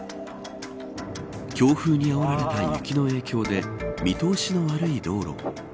強風にあおられた雪の影響で見通しの悪い道路。